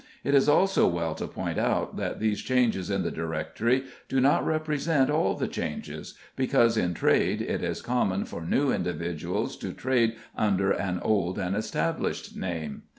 It is also well to point out that these changes in the Directory do not represent all the changes, because in trade it is common for new individuals to trade under an old and established name.